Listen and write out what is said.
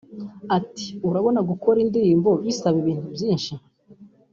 Ati” Urabona gukora indirimbo bisaba ibintu byinshi